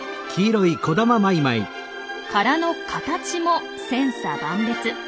殻の形も千差万別。